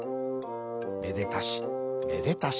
めでたしめでたし。